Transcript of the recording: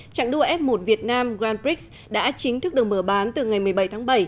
trạng đua f một việt nam grand prix đã chính thức được mở bán từ ngày một mươi bảy tháng bảy